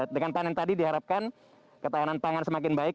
dengan tanen tadi diharapkan ketahanan tangan semakin baik